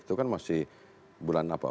itu kan masih bulan apa